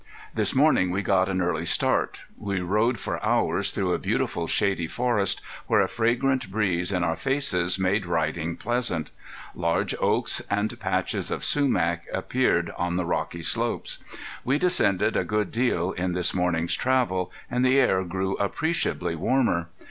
This morning we got an early start. We rode for hours through a beautiful shady forest, where a fragrant breeze in our faces made riding pleasant. Large oaks and patches of sumach appeared on the rocky slopes. We descended a good deal in this morning's travel, and the air grew appreciably warmer.